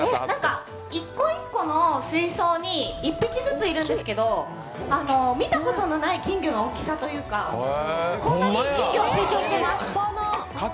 １個１個の水槽に１匹ずついるんですけど、見たことのない金魚の大きさというか、こんなに金魚がいます。